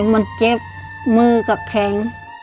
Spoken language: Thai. มันเจ็บมือกับแขน